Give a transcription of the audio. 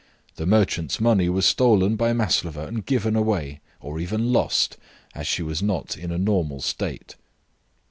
The merchant's money was stolen by Maslova and given away, or even lost, as she was not in a normal state."